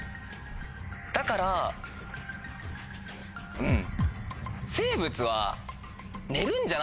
だからうん。